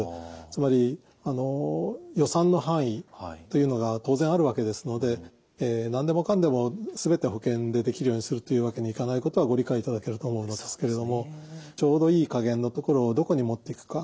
つまり予算の範囲というのが当然あるわけですので何でもかんでも全て保険でできるようにするというわけにいかないことはご理解いただけると思うのですけれどもちょうどいい加減のところをどこにもっていくか。